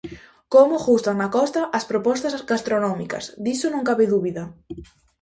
Como gustan na Costa as propostas gastronómicas, diso non cabe dúbida.